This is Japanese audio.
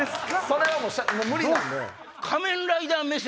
それはもう無理なんで。